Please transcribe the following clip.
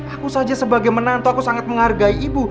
aku saja sebagai menantu aku sangat menghargai ibu